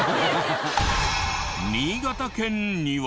新潟県には。